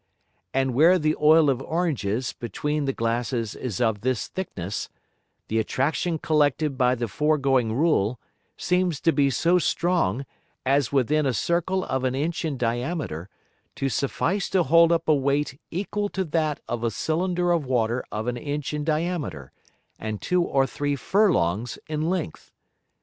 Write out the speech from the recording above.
And where the Oil of Oranges between the Glasses is of this thickness, the Attraction collected by the foregoing Rule, seems to be so strong, as within a Circle of an Inch in diameter, to suffice to hold up a Weight equal to that of a Cylinder of Water of an Inch in diameter, and two or three Furlongs in length.